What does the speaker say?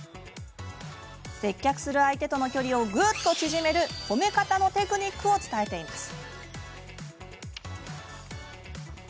接客する相手との距離をぐっと縮める褒め方のテクニックを伝えています。